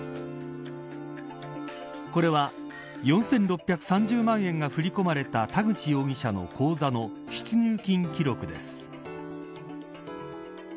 これは４６３０万円が振り込まれた田口容疑者の口座の出入金記録です。